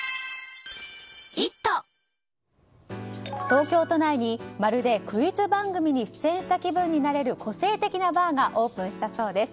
東京都内にまるでクイズ番組に出演した気分になれる個性的なバーがオープンしたそうです。